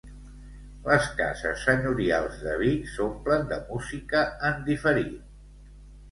Les cases senyorials de Vic s'omplen de música en diferit.